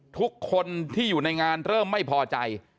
ทุกคนที่อยู่ในงานเริ่มไม่พอใจ